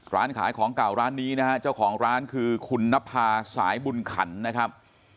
ร้านขายของเก่าร้านนี้นะฮะเจ้าของร้านคือคุณนภาสายบุญขันนะครับ